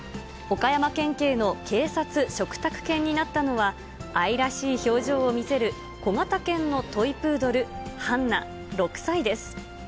岡山県警の警察嘱託犬になったのは、愛らしい表情を見せる小型犬のトイプードル、ハンナ６歳です。